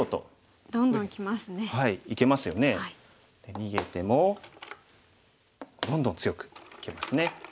逃げてもどんどん強くいけますね。